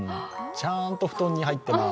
ちゃーんと布団に入ってます。